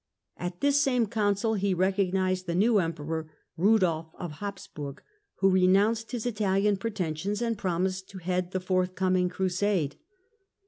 At this same council he recognised the new Emperor Eudolf of Habsburg, who renounced his Italian pretensions and promised to head the forthcoming crusade.